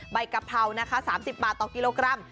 กะเพรานะคะ๓๐บาทต่อกิโลกรัม